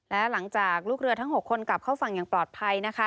และหลังจากลูกเรือทั้ง๖คนกลับเข้าฝั่งอย่างปลอดภัยนะคะ